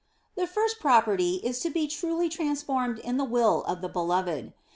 The first property is to be truly transformed in the will of the Beloved.